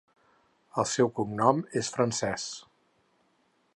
El seu cognom és francès.